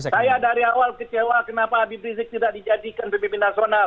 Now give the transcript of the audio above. saya dari awal kecewa kenapa habib rizik tidak dijadikan pbb nasional